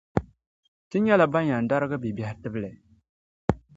Ti nyɛla ban yɛn dargi bibiɛhi tibli